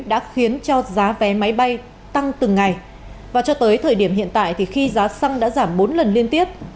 đã khiến cho giá vé máy bay tăng từng ngày và cho tới thời điểm hiện tại thì khi giá xăng đã giảm bốn lần liên tiếp